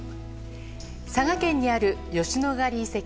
佐賀県にある吉野ヶ里遺跡。